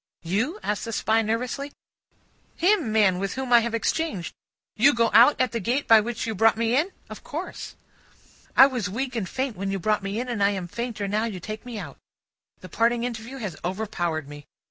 "You?" said the Spy nervously. "Him, man, with whom I have exchanged. You go out at the gate by which you brought me in?" "Of course." "I was weak and faint when you brought me in, and I am fainter now you take me out. The parting interview has overpowered me.